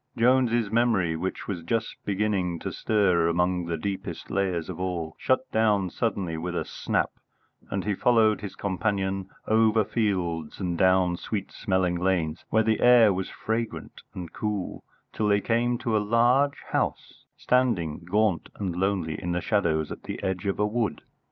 Jones's memory, which was just beginning to stir among the deepest layers of all, shut down suddenly with a snap, and he followed his companion over fields and down sweet smelling lanes where the air was fragrant and cool, till they came to a large house, standing gaunt and lonely in the shadows at the edge of a wood.